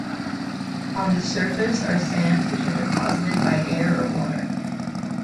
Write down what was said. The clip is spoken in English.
On the surface are sands which were deposited by air or water.